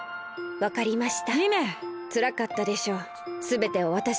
わかりました。